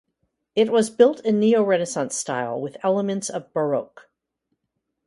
It was built in neo-Renaissance style, with elements of Baroque.